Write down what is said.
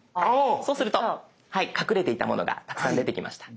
そうすると隠れていたものがたくさん出てきました。